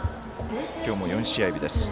今日も４試合日です。